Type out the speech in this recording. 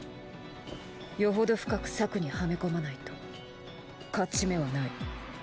よほど深く策にはめこまないと勝ち目はない。